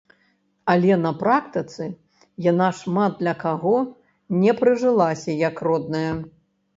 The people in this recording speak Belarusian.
Але на практыцы яна шмат для каго не прыжылася як родная.